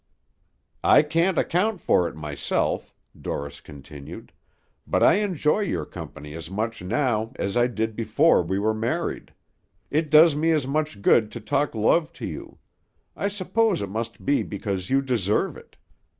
"I can't account for it myself," Dorris continued, "but I enjoy your company as much now as I did before we were married. It does me as much good to talk love to you; I suppose it must be because you deserve it.